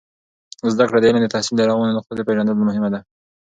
زده کړه د علم د تحصیل د روانو نقطو د پیژندلو لپاره مهمه ده.